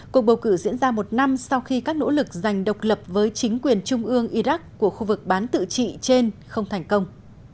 cuộc bầu cử diễn ra một năm sau khi các nỗ lực giành độc lập với chính quyền trung ương iraq của khu vực bán tự trị trên không thành công